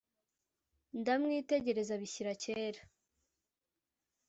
Ndamwitegereza bishyira kera,